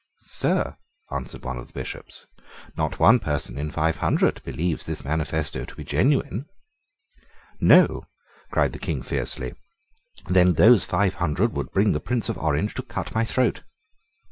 "Sir," answered one of the Bishops, "not one person in five hundred believes this manifesto to be genuine." "No!" cried the King fiercely; "then those five hundred would bring the Prince of Orange to cut my throat."